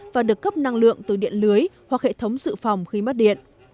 và được cấp năng lượng từ điện lưới hoặc hệ thống dự phòng khi mất điện